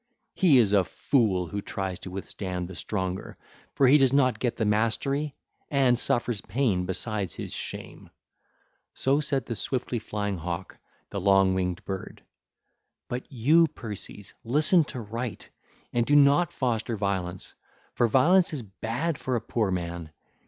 He is a fool who tries to withstand the stronger, for he does not get the mastery and suffers pain besides his shame.' So said the swiftly flying hawk, the long winged bird. (ll. 212 224) But you, Perses, listen to right and do not foster violence; for violence is bad for a poor man.